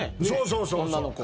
そうそうそうそう。